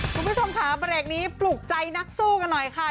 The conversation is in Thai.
คุณผู้ชมค่ะเบรกนี้ปลูกใจนักสู้กันหน่อยค่ะ